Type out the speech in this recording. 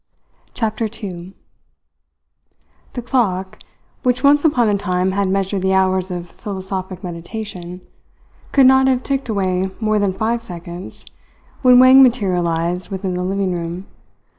CHAPTER TWO The clock which once upon a time had measured the hours of philosophic meditation could not have ticked away more than five seconds when Wang materialized within the living room.